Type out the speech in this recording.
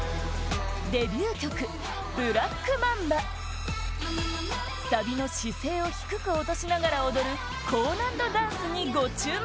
デビュー曲「ＢｌａｃｋＭａｍｂａ」サビの姿勢を低く落としながら踊る高難度ダンスにご注目